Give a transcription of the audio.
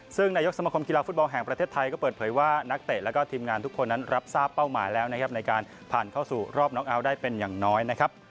ซึ่งนายกสมคมกีฬาฟุตบอลแห่งประเทศไทยก็เปิดเผยว่านักเตะแล้วก็ทีมงานทุกคนนั้นรับทราบเป้าหมายแล้วนะครับในการผ่านเข้าสู่รอบน้องเอาท์ได้เป็นอย่างน้อยนะครับ